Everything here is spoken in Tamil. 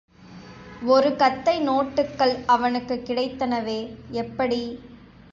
ஒரு கத்தை நோட்டுக்கள் அவனுக்குக் கிடைத்தனவே, எப்படி?